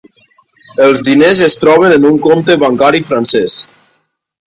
Els diners es troben en un compte bancari francès.